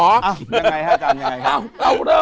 ยังไงครับอาจารย์ยังไงครับ